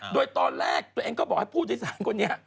โดยตอนแรกตัวเองก็บอกให้ผู้โดยสารคนนี้